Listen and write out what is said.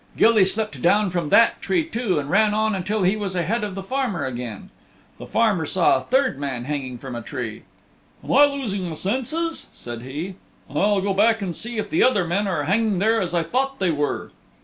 Gilly slipped down from that tree too and ran on until he was ahead of the farmer again. The farmer saw a third man hanging from a tree. "Am I leaving my senses?" said he. "I'll go back and see if the other men are hanging there as I thought they were."